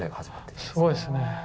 すごいですね。